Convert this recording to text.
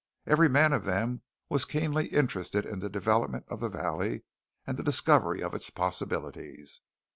Every man of them was keenly interested in the development of the valley and the discovery of its possibilities.